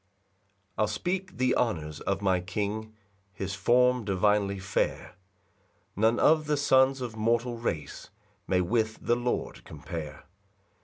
1 I'll speak the honours of my King, His form divinely fair; None of the sons of mortal race May with the Lord compare.